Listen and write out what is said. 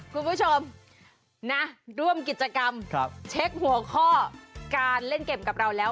คุณผู้ชมนะร่วมกิจกรรมเช็คหัวข้อการเล่นเกมกับเราแล้ว